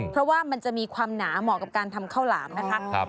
เพราะว่ามันจะมีความหนาเหมาะกับการทำข้าวหลามนะคะ